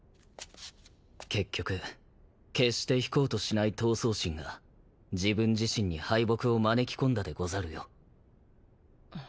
結局決して引こうとしない闘争心が自分自身に敗北を招きこんだでござるよ。